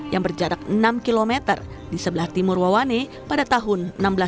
yang berjarak enam km di sebelah timur wawane pada tahun seribu enam ratus tujuh puluh